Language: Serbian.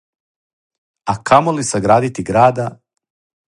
А камоли саградити града,